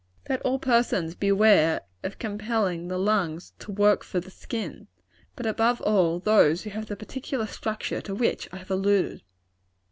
Let all persons beware of compelling the lungs to work for the skin; but above all, those who have the particular structure to which I have alluded.